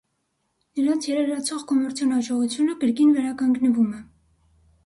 Նրանց երերացող կոմերցիոն հաջողությունը կրկին վերականգնվում է։